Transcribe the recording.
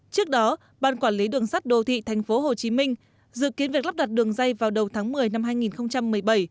trước đó ban quản lý đường sắt đô thị tp hcm dự kiến việc lắp đặt đường dây vào đầu tháng một mươi năm hai nghìn một mươi bảy